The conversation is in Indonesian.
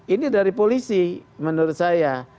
ini dari polisi menurut saya